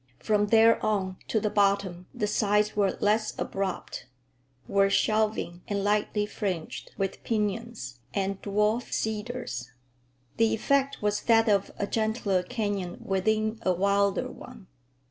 From there on to the bottom the sides were less abrupt, were shelving, and lightly fringed with piñons and dwarf cedars. The effect was that of a gentler canyon within a wilder one.